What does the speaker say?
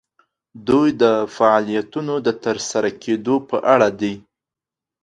دوی د فعالیتونو د ترسره کیدو په اړه دي.